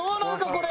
これ。